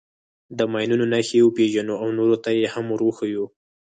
د ماینونو نښې وپېژنو او نورو ته یې هم ور وښیو.